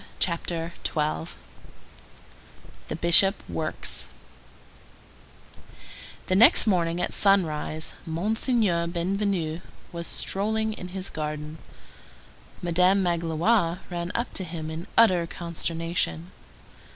CHAPTER XII—THE BISHOP WORKS The next morning at sunrise Monseigneur Bienvenu was strolling in his garden. Madame Magloire ran up to him in utter consternation.